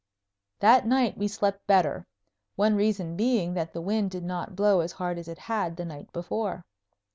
That night we slept better, one reason being that the wind did not blow as hard as it had the night before.